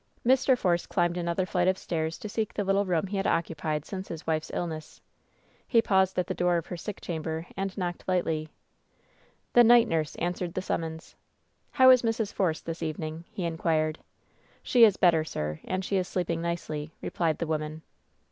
Mr. Force climbed another flight of stairs to seek the little room he had occupied since his wife's illness. He paused at the door of her sick chamber and knocked lightly. The night nurse answered the summons. "How is Mrs. Force this evening ?" he inquired. "She is better, sir, and she is sleeping nicely," replied the woman.